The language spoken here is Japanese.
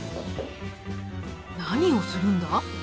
何をするんだ？